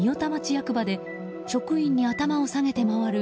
役場で職員に頭を下げて回る